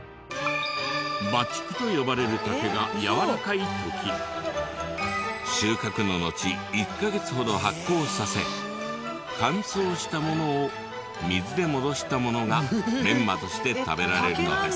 麻竹と呼ばれる竹がやわらかい時収穫ののち１カ月ほど発酵させ乾燥したものを水で戻したものがメンマとして食べられるのです。